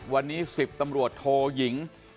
วันนี้๑๐ตำรวจโทยิง